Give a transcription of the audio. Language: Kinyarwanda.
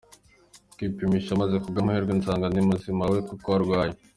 kwipimisha maze kubw’amahirwe nsanga ndi muzima we koko arwaye.